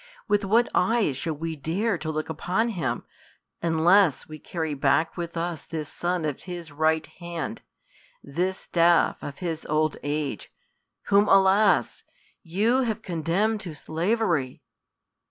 With what eyes shall we dan to look upon him, unless we carry back with us this son of his right hand, this staff of his old age, whom alas ! you have condemned to slavery